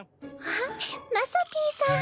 あっまさぴーさん。